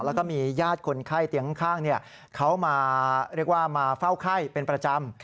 แล้วก็มีญาติคนไข้เตียงข้างเขามาเรียกว่ามาเฝ้าไข้เป็นประจำ